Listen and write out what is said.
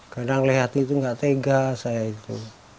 kadang lihat itu nggak tega saya itu